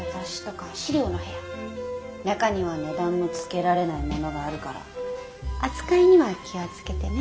中には値段のつけられないものがあるから扱いには気を付けてね。